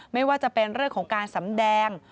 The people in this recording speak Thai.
ไม่ว่าจะเป็นเรื่องของการสำแดง